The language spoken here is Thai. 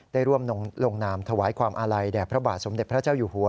ได้ร่วมลงนามถวายความอาลัยแด่พระบาทสมเด็จพระเจ้าอยู่หัว